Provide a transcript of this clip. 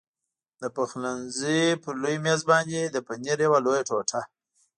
د پخلنځي پر لوی مېز باندې د پنیر یوه لویه ټوټه.